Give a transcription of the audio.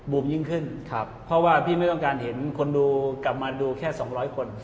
ยิ่งขึ้นเพราะว่าพี่ไม่ต้องการเห็นคนดูกลับมาดูแค่๒๐๐คน